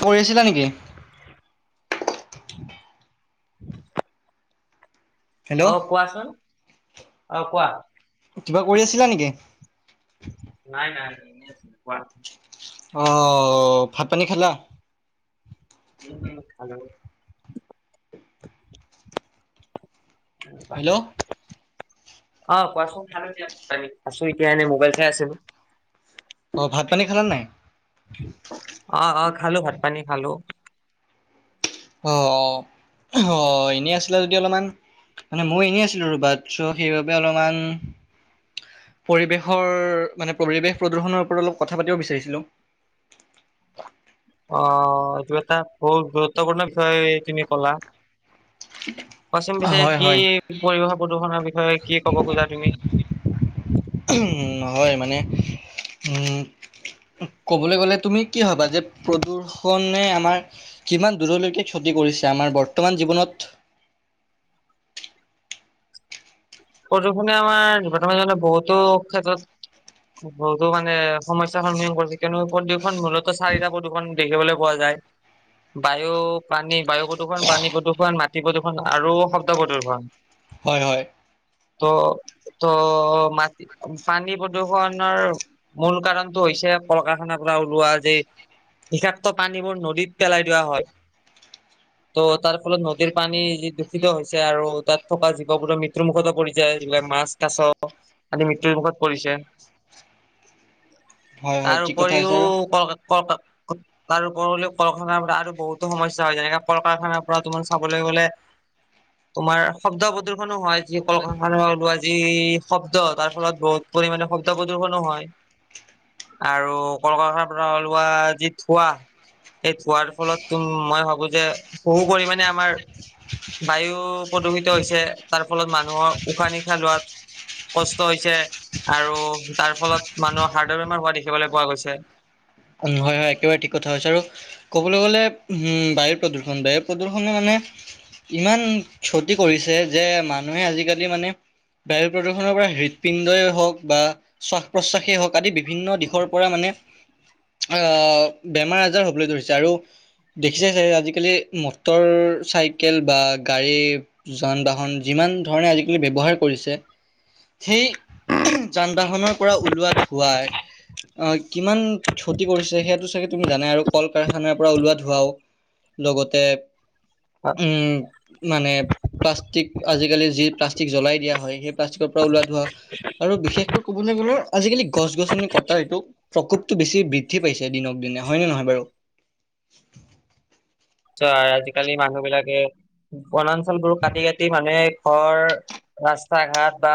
কৰিছিলা নেকি [unintelligible] অ কোৱাচোন অ কোৱা কিবা কৰি আছিলা নেকি নাই নাই নাই এনে আছো কোৱা আহ ভাত পানী খালা উম উম খালো হেল্ল' অ কোৱাচোন ভাল দ আমি আছো এতিয়া এনে মোবাইল চাই আছিলো। অ''ভাত পানী খালা নাই অ অ খালো ভাত পানী খালো অ -অ এনেই আছিলে যদি অলপমান মানে মই এনেই আছিলো ৰবাত চ' সেইবাবে অলপমান। পৰিৱেশৰ মানে পৰিৱেশ প্ৰদূষনৰৰ ওপৰত অলপ কথা পাতিব বিচাৰিছিলো অ' অ' এইটো এটা বহুত গুৰুত্বপূৰ্ণ বিষয় তুমি কলা কশ্চিম পিছে হয় কি হয় পৰিবেশ প্ৰদূষনৰৰ বিষয়ে কি ক'ব খোজা তুমি। উ হয় মানে উম। ক'বলৈ গ'লে তুমি কি হবা যে প্ৰদূষনেে আমাৰ কিমান দূৰলৈকে কতি কৰিছে আমাৰ বৰ্তমান জীৱনত প্ৰদূষণে আাৰ দুঘট জনে বহুতো ক্ষেত্ৰত বহুতো মানে সমস্যাৰ সন্মুখীন কৰিছছে কিয়নো প্ৰদূষণ মূলত চাৰিটা প্ৰদূষণ দেখিবলৈ পোৱা যায় [inaudible] বায়ু পানী বায়ু প্ৰদূৰ্ষণ পানী প্ৰদূৰ্ষণ মাটি প্ৰদূৰ্ষণ আৰু শব্দ প্ৰদূৰ্ষণ। হয় -হয় ত ত মাটি পানী প্ৰদূৰষণৰ মূল কাৰণটো হৈছে কলকাখানা পৰা ওলোৱা যে বিষাক্ত পানীবোৰ নদীত পেলাই দোৱা হয় ত' তাৰ ফলত নদীৰ পানী যি দূষিত হৈছে আৰু তাত থকা জীৱ বোৰ মৃত্যু মৃত্যুৰ মুখতো পৰিছে এইবিলাক মাছ কাছ আদি মৃত্যুৰ মুখত পৰিছে হয় হয় তাৰ ঠিক কথা উপৰিও কৈছা আৰু কলকা তাৰপ কল কাৰখানাৰ পৰা আৰু বহুতো সমস্যা হয় যেনেকে কল কাৰখানাৰ পৰা তোমাৰ চাবলৈ ব তোমাৰ শব্দ প্ৰদৰ্শনো হয়। কলখান লোৱা যি শব্দ তাৰ ফলত বহুত পৰিমামানে শব্দ প্ৰদূশনো হয় আৰু কলকৰখানাৰ পৰা ওলোৱা যি থোৱা সেই ধোৱাৰ ফলত তম মই ভাবো যে বহু পৰিমণে আমাৰ। বায়ু প্ৰদূষিত হৈছে তাৰ ফলত মানুহৰ উশাহ নিশাহ লোৱাত। কষ্ট হৈছে আৰু তাৰ ফলত মানুহৰ হাৰ্টৰ বেমাৰ হোৱা দেখিবলৈ পোৱা গৈছে। হয়। হয় হয় একেবাৰে ঠিক কথা হৈছে আৰু ক'বলৈ গ'লে বায়ুৰু প্ৰদূৰষণ বায়ু প্ৰদূষণে মানে। ইমান ক্ষতি কৰিছে যে মানুহে আজিকালি মানে বায়ু প্ৰদূষণৰ পৰা হৃদপিণ্ডই হওক বা শ্বাস প্ৰশ্বাসেই হওক আদি বিভিন্ন দিশৰ পৰা মানে অহ বেমাৰ আজাৰ হ'বলৈ ধৰিছে আৰু দেখিছোই চাই আজিকালি মটৰ চাইকেল বা গাড়ী যান বাহন যিমান ধৰণে আজিকালি ব্যৱহাৰ কৰিছে সেই। যান বাহনৰ পৰা ওলোৱা ধুৱাই অ কিমান ক্ষতি কৰিছে সেইয়টো চাগে। তুমি জানাই আৰু কল কাৰখানাৰ পৰা ওলোৱা ধোৱাও লগতে মানে প্লাষ্টিক আজিকালি যি প্লাষ্টিক জ্বলাই দিয়া হয় সেই প্লাষ্টিকৰ পৰা ল। আৰু বিশেষকৈ ক'বলৈ গ'লে আজিকালি গছ গছনি কটা এইটো প্ৰকোপতটো বেছি। বৃদ্ধি পাইছে দিনক দিনে হয়নে নহয় বাৰু ত আজিকালি মানুহ বিলাকে বনাঞ্চল বোৰ কাটি কাটি মানে ঘৰ ৰাস্তা ঘাট বা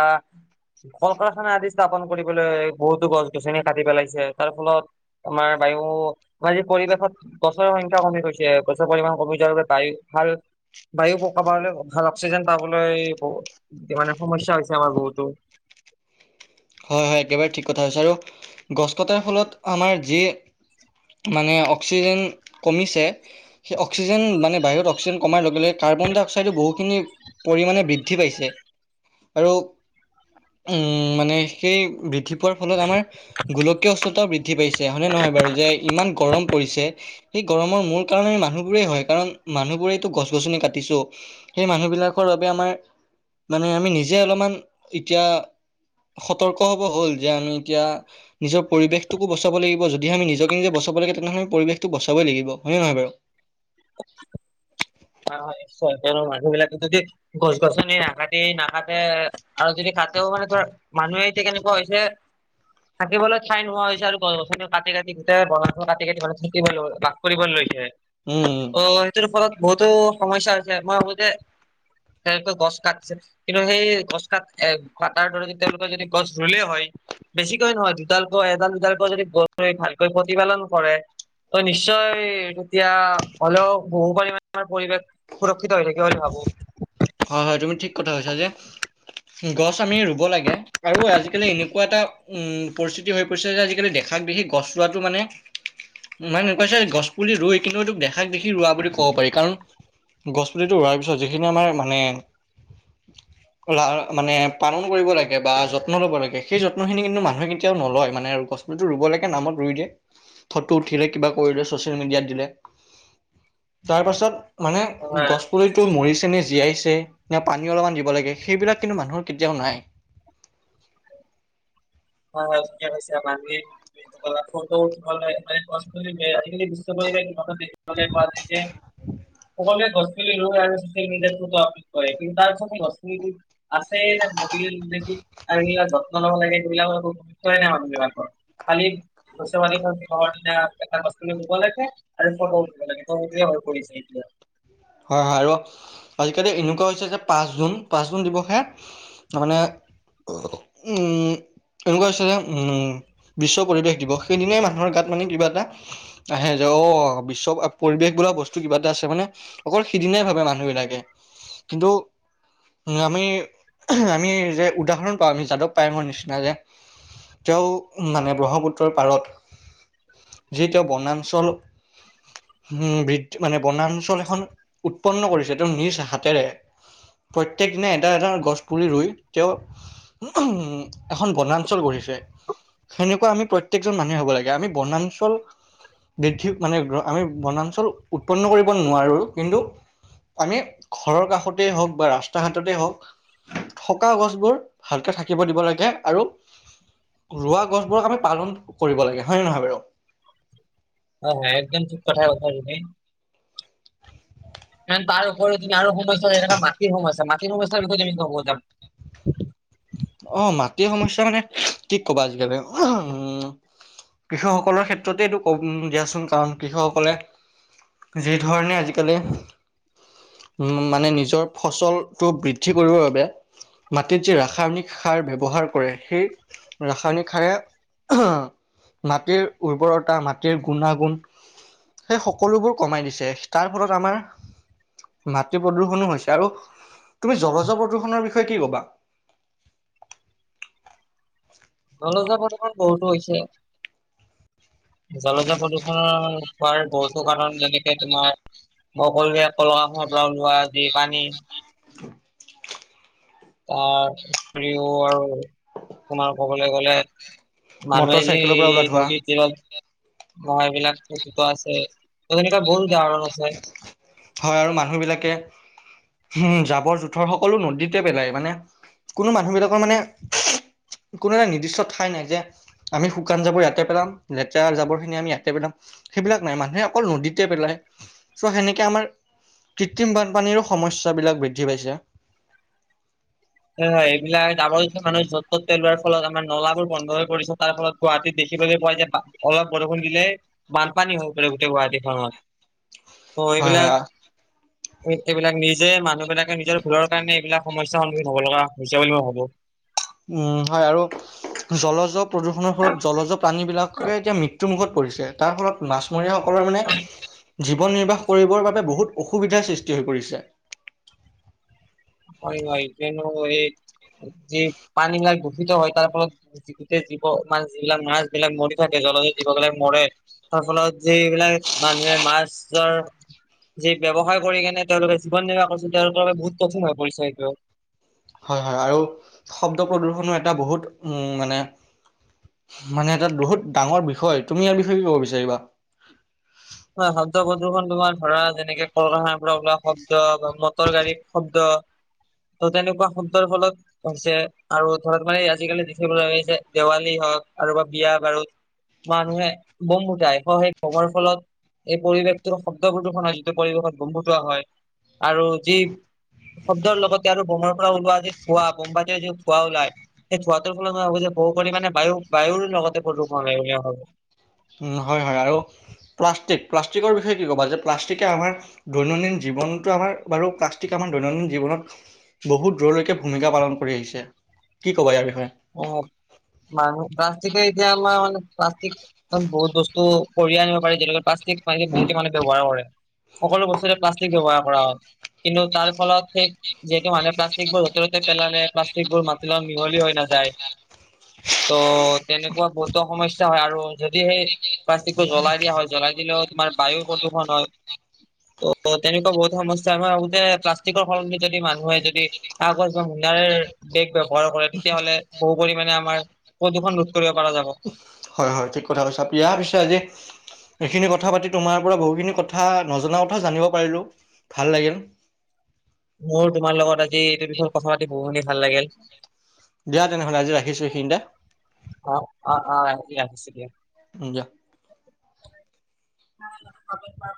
কলকাৰখানা আদি স্থাপন কৰিবলৈ বহুতো গছ গছনি কাটি পেলাইছে তাৰ ফলত আমাৰ। আৰু আজি পৰিৱেশত গছৰে সংখ্যা কমি গৈছে। গছৰ পৰিমাণ কমি যোৱাৰ বাবে [unintelligible] ভাল বায়ু, [unintelligible] ভাল অক্সিজেন পাবলৈ বহুত সমস্যা হৈছে আমাৰ বহুতো। [inaudible] হয়, হয়, একেবাৰে ঠিক কথা কৈছা আৰু গছ কটাৰ ফলত আমাৰ যি মানে অক্সিজেন কমিছে, সেই অক্সিজেন মানে বাহিৰত অক্সিজেন কমাৰ লগে লগে কাৰ্বনডাই-অক্সাইডো বহুখিনি পৰিমাণে বৃদ্ধি পাইছে আৰু। উম, মানে সেই বৃদ্ধি পোৱাৰ ফলত আমাৰ গোলকীয় উষ্ণতাও বৃদ্ধি। বৃদ্ধি পাইছে হয়নে নহয় বাৰু, যে ইমান গৰম পৰিছে। সেই গৰমৰ মূল কাৰণো মানুহবোৰেই হয়, কাৰণ মানুহবোৰেইতো গছ-গছনি কাটিছো। সেই মানুহবিলাকৰ। আমাৰ মানে আমি নিজে অলপমান এতিয়া। সতৰ্ক হ'ব হ'ল যে আমি এতিয়া নিজৰ পৰিৱেশটোকো বচাব লাগিব, যদি আমি নিজকে নিজে বচাব লাগে। তেনেধৰণে পৰিৱেশটো বচাবই লাগিব হয় নে নহয় বাৰু? হয়, হয়, নিশ্চয়। [unintelligible] মানুহবিলাকে যদি গছ-গছনি নাকাটি নাকাটে আৰু যদি। তাতেও মানে ধৰ, মানুহে এতিয়া কেনেকুৱা হৈছে। থাকিবলৈ ঠাই নোহোৱা হৈছে আৰু গছ-গছনি কাটি কাটি, গোটেই বন কাটি-কাটি মানে থাকিব লৈ, বাস কৰিব লৈছে। উম উম অ', সেইটোৰ ফলত বহুতো সমস্যা হৈছে। মই ভাবো যে। তেওঁলোকে গছ কাটিছে, কিন্তু সেই গছ কাট কটাৰ দৰে যদি তেওঁলোকে যদি গছ ৰুলে হয়। বেছিকৈ নহয়, দুডালকৈ, এডাল-দুডালকৈ যদি গছ ভালকৈ প্ৰতিপালন কৰে। ত', নিশ্চয় তেতিয়া হ'লেও বহু পৰিমাণে। [unintelligible] পৰিৱেশ সুৰক্ষিত হৈ থাকিব বুলি ভাবোঁ। হয়, হয়, তুমি ঠিক কথা কৈছা যে। গছ আমি ৰুব লাগে আৰু আজিকালি এনেকুৱা এটা উম পৰিস্থিতি হৈ পৰিছে যে আজিকালি দেখা। [unintelligible] দেখি গছ ৰোৱাটো মানে। মানে এনেকুৱা, গছপুলি ৰোৱে কিন্তু এইটোক দেখাক দেখি ৰোৱা বুলি ক'ব পাৰি। কাৰণ। গছপুলিটো ৰোৱাৰ পিছত যিখিনি আমাৰ মানে। মানে পালন কৰিব লাগে বা যত্ন ল'ব লাগে সেই যত্নখিনি কিন্তু মানুহে কেতিয়াও নলয় মানে। কিন্তু ৰুব লাগে নামত ৰুই দিয়ে, ফটো উঠিলে, কিবা কৰিলে, চচিয়েল মিডিয়াত দিলে। তাৰ পাছত মানে হয় গছপুলিটো মৰিছেনে, জীয়াই। ছে বা পানী অলপমান দিব লাগে, সেইবিলাক কিন্তু মানুহৰ কেতিয়াও নাই। [inaudible] অ', ঠিকে কৈছে। [unintelligible] [unintelligible] সকলোৱে গছ পুলি ৰোৱে আৰু চ'চিয়েল মিডিয়াত ফটো আপলোড কৰে। কিন্তু তাৰপিছতে গছ পুলিটো আছে। নে মৰিল আৰু সেইবিলাক যত্ন ল'ব লাগে, সিবিলাকৰ। গুৰুত্বয়ে নাই মানুহবিলাকৰ। খালি পইচা-পাতি। [unintelligible] খালি গছপুলি ৰুব লাগে আৰু ফটো উঠিব লাগে, সেইটোৱে হ'ল প'লিচি। হয়, হয়, আৰু আজিকালি এনেকুৱা হৈছে যে পাঁচ জুন, পাঁচ জুন দিৱসে মানে। [unintelligible] উম। এনেকুৱা হৈছে, উম, বিশ্ব পৰিৱেশ দিৱস সেইদিনাই মানুহৰ গাত মানে কিবা এটা আহে যে। অ', বিশ্ব পৰিৱেশ বোলা বস্তু কিবা এটা আছে মানে। অকল সিদিনাই ভাবে মানুহবিলাকে, কিন্তু। উম, আমি, আমি যে উদাহৰণ পাওঁ আমি যাদৱ পায়ঙৰ নিচিনা যে। তেওঁ মানে ব্ৰহ্মপুত্ৰৰ পাৰত। যে তেওঁ বনাঞ্চল বৃদ্ধি মানে বনাঞ্চল এখন। উৎপন্ন কৰিছে, তেওঁ নিজ হাতেৰে। প্ৰত্যেক দিনাই এটা, এটা গছ পুলি ৰুই, তেওঁ এখন বনাঞ্চল গঢ়িছে। সেনেকুৱা আমি প্ৰত্যেকজন মানুহে হ'ব লাগে। আমি বনাঞ্চল। বৃদ্ধি মানে আমি বনাঞ্চল উৎপন্ন কৰিব নোৱাৰো, কিন্তু। আমি ঘৰৰ কাষতেই হওঁক বা ৰাস্তা-ঘাটতে হওঁক। থকা গছবোৰ ভালকে থাকিব দিব লাগে আৰু। ৰোৱা গছবোৰক আমি পালন কৰিব লাগে হয় নে নহয় বাৰু। হয় হয় একদম ঠিক কথায়ে কৈছা তুমি। কাৰণ তাৰউপৰিও যদি তুমি আৰু সমস্যা যেনেকা মাটিৰ সমস্যা মাটিৰ সমস্যাৰ বিষয়ে যদি ক'ব যাম। অ মাটিৰ সমস্যা মানে কি ক'বা আজিকালি উম। কৃষকসকলৰ ক্ষেত্ৰতে এইটো ক'ব দিয়াচোন কাৰণ কৃষকসকলে। যি ধৰণে আজিকালি উম মানে নিজৰ ফচলটো বৃদ্ধি কৰিবৰ বাবে মাটিত যি ৰাসায়নিক সাৰ ব্যৱহাৰ কৰে সেই ৰাসায়নিক সাৰে মাটিৰ উৰ্বৰতা মাটিৰ গুণাগুণ সেই সকলোবোৰ কমাই দিছে তাৰ ফলত আমাৰ মাটি প্ৰদূষনো হৈছে আৰু তুমি জলজ প্ৰদূষণৰ বিষয়ে কি কবা? জলজ প্ৰদূৰ্ষন বহুতো হৈছে জলজ প্ৰদূৰ্ষনৰৰ হোৱাৰ বহুতো কাৰণ যেনেকে তোমাৰ মই কলোৱে কলকাৰখানাৰ পৰা ওলোৱা যি পানী তাৰ উপৰিও আৰু তোমাৰ ক'বলৈ গ'লে মানুহে মটৰ যে চাইকেলৰ পৰা ওলোৱা এই ধোৱা নদীৰ তিৰত নহয় এইবিলাকত খেতিটো আছে ত তেনেকুৱা [unintelligible] হয় আৰু মানুহ বিলাকে উম, জাবৰ জোথৰ সকলো নদীতে পেলায় মানে, কোনো মানুহবিলাকৰ মানে কোনো এটা নিৰ্দিষ্ট ঠাই নাই যে, আমি শুকান জাবৰ ইয়াতে পেলাম, লেতেৰা জাবৰ খিনি আমি ইয়াতে পেলাম। সেইবিলাক নাই মানুহে অকল নদীতে পেলাই। চ' সেনেকে আমাৰ, কৃত্ৰিম বানপানীৰো সমস্যাবিলাক বৃদ্ধি পাইছে। [inaudible] হয়, হয়, এইবিলাক জাবৰ মানুহ য'ত ত'তে পেলোৱাৰ ফলত আমাৰ নলাবোৰ বন্ধ হৈ পৰিছে তাৰ ফলত গুৱাহাটীত দে খিবলৈ পোৱা যায়, অলপ বৰষুণ দিলে, বানপানী হৈ পৰে গোটেই গুৱাহাটীখনত। [inaudible] ত' হয় এইবিলাক, হয় এইবিলাক নিজে মানুহ বিলাকে নিজৰ ভুলৰ কাৰণে এইবিলাক সমস্যা সন ন্মোখীন হ'ব লগা হৈছে বুলি মই ভাবোঁ। উম, হয় আৰু, জলজ প্ৰদূষণৰ ফলত জলজ প্ৰাণী বিলাকে এতিয়া মৃত্যু মুুখত পৰিছে, তাৰ ফলত মাছমৰীয়াসকলৰ মানে জীৱন নিৰ্বাহ কৰিবৰ বাবে বহুত অসুবিধাৰ সৃষ্টি হৈ পৰিছে। হয় হয় কিয়নো এই যি, পানীবিলাক দূষিত হয় তাৰ ফলত, গোটে জীৱ মানে যিলাক মাছ বিলাক মৰি থাকে জল জীৱ বিলাক মৰে, তাৰ ফলত যিবিলাক মানুহে মাছ ছৰ, যি ব্যয়ৱসায় কৰি কিনে তেওঁলোকে জীৱন নিৰ্বাহ কৰিছে তেওঁলোকৰ বাবে বহুত কঠিন হয়। [unintelligible] দিয়ক হয়, হয়, আৰু, শব্দ প্ৰদূশনৰ এটা বহুত উম মানে মানে এটা বহুত ডাঙৰ বিষয় তুমি ইয়াৰ বিষয়ে কি ক'ব বিচাৰিবা? হয় শব্দ প্ৰদূষণ তোমাৰ ধৰা যেনেকে কলখানাৰ পৰা ওলোৱা শব্দ বা মটৰ গাড়ীৰ শব্দ। ত' তেনেকুৱা শব্দৰ ফলত হৈছে, আৰু ধৰক মানে আজিকালি দেখিবলৈ যে দেৱালী হয় হয়, আৰু বা বিয়া বাৰু, মানুহে, বম ফুটাই সেই বমৰ ফলত এই পৰিৱেশটো শব্দবোৰটো প্ৰদূষণ হয়, যিটো পৰিৱেশত বম ফুটোৱা হয় আৰু যি শব্দৰ লগতে আৰু বোমাৰ পৰা ওলোৱা যি ধোৱা বোম্বাতে যি ধোৱা ওলাই, সেই ধোৱাটোৰ ফলত বহু পৰিমাণে বায়ু, বায়ুৰ লগতে প্ৰদূষণ হয় বুলি কয়। উ, হয়-হয় আৰু প্লাষ্টিক, প্লাষ্টিকৰ বিষয়ে কি ক'বা যে প্লাষ্টিকে আমাৰ দৈনন্দিন জীৱন জীৱনটো আমাৰ বাৰু পাষ্টিকে আমাৰ দৈনন্দিন জীৱনত বহুত দূৰলৈকে ভূমিকা পালন কৰি আহিছে কি কবা ইয়াৰ বিষয়ে? অ' মানুহ এতিয়া আমাৰ মানে প্লাষ্টিক বহুত বস্তু কঢ়িয়াই আনিব পাৰে তেনেকুৱা প্লাষ্টিক পানী বহুত মানুহে ব্যৱহাৰ কৰে সকলো বস্তুতে প্লাষ্টিক ব্যৱহাৰ কৰা হয়। কিন্তু তাৰ ফলত সেই যিহেতু মানে প্লাষ্টিক বোৰ য'তে ত'তে পেলালে প্লাষ্টিক বোৰ মাতিৰ লগত মিহলি হৈ নাযায়। যায় ত' তেনেকুৱা বহুতো সমস্যা হয় আৰু যদি সেই প্লাষ্টিকটো জ্বলাই দিয়া হয় জ্বলাই দিলেও তোমাৰ বায়ু প্ৰদূষণ হয়। অ, তেনেকুৱা বহুত সমস্যা মই ভাবু যে প্লাষ্টিকৰ সলনি যদি মানুহে যদি কাগজ বেগ ব্যৱহাৰ কৰে তেতিয়াহ'লে। বহু পৰিমানে আমাৰ প্ৰদূষণ ৰোধ কৰিব পৰা যাব। হয় হয় ঠিক কথা কৈছা। পিয়া পিছে আজি এইখিনি কথা পাতি তোমাৰ পৰা বহুখিনি কথা নজনা কথা জানিব পাৰিলো ভাল লাগিল। [inaudible] মোৰ তোমাৰ লগত আজি এইটো বিষয়ে কথা পাতি বহুখিনি ভাল লাগিল। দিয়া তেনেহলে আজি ৰাখিছো এইখিনি তে। দিয়া হৈছে দিয়া। উম, দিয়া। [unintelligible]